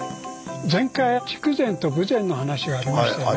前回は筑前と豊前の話がありましたよね。